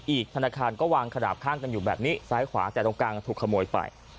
ธนาคารก็วางขนาดข้างกันอยู่แบบนี้ซ้ายขวาแต่ตรงกลางถูกขโมยไป